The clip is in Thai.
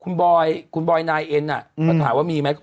คุณบอยคุณบอยนายเอ็นมาถามว่ามีไหม